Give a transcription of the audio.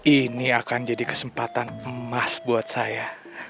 ini akan jadi kesempatan emas buat saya